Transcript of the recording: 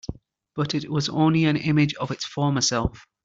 But it was only an image of its former self.